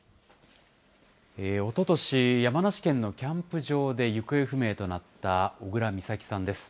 おととし、山梨県のキャンプ場で行方不明となった小倉美咲さんです。